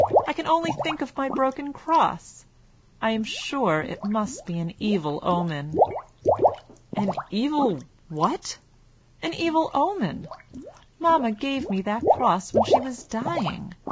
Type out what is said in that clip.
I can only think of my broken cross. I am sure it must be an evil omen." "An evil what?" "An evil omen. Mamma gave me that cross when she was dying.